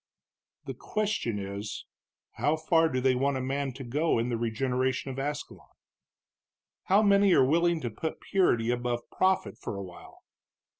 "The question is, how far do they want a man to go in the regeneration of Ascalon? How many are willing to put purity above profit for a while?